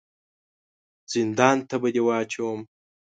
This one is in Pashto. زندان ته به دي واچوم !